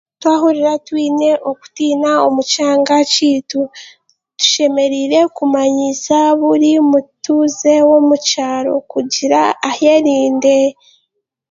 Twahurira twine okutiina omu kyanga kyaitu, tushemereire kumanyiisa buri mutuuze w'omukyaro kugira ayerinde.